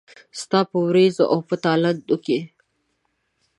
ستا په ورېځو او په تالنده کې